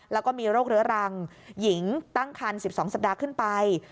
แล้วก็มีโรคเรื้อรังหญิงตั้งคัน๑๒สัปดาห์ขึ้นไป